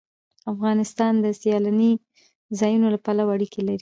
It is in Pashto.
افغانستان د سیلاني ځایونو له پلوه اړیکې لري.